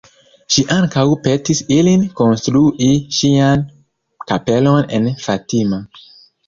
Ŝi ankaŭ petis ilin konstrui ŝian kapelon en Fatima.